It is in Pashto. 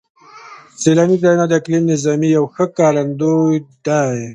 سیلاني ځایونه د اقلیمي نظام یو ښه ښکارندوی دی.